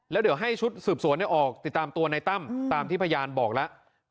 แล้วเดี๋ยวให้ชุดสืบสวนออกติดตามตัวในตั้มตามที่พยานบอกแล้ว